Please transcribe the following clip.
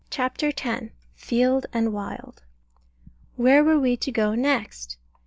CHAPTER X FIELD AND WILD Where were we to go next?